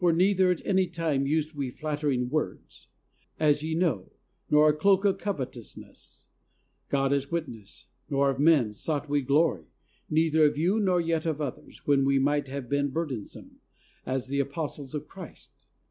For neither at any time used we flattering words, as ye know, nor a cloak of covetousness ; God is witness ; nor of men sought we glory, neither of you nor yet of others, when we might have been burdensome, as the apostles of Christ.